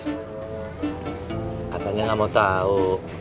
tatangnya gak mau tau